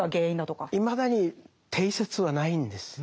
いまだに定説はないんです。